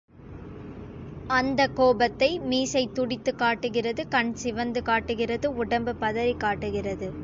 அந்தக் கோபத்தை மீசை துடித்துக் காட்டுகிறது கண் சிவந்து காட்டுகிறது உடம்பு பதறிக் காட்டுகிறது.